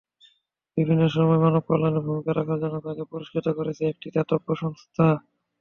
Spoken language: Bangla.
বিভিন্ন সময় মানবকল্যাণে ভূমিকা রাখার জন্য তাঁকে পুরস্কৃত করেছে একটি দাতব্য সংস্থা।